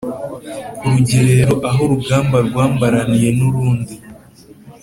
kurugerero ahurugamba rwambaraniye nurundi